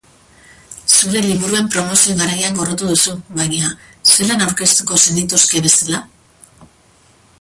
Zure liburuen promozio garaia gorroto duzu, baina, zelan aurkeztuko zenituzke bestela?